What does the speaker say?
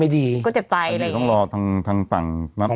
มันก็ไม่ดีอันนี้ต้องรอทางฝั่ง